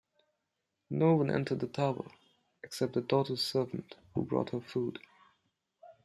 No one entered the tower, except the daughter's servant who brought her food.